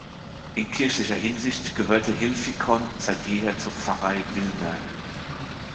In kirchlicher Hinsicht gehörte Hilfikon seit jeher zur Pfarrei Villmergen.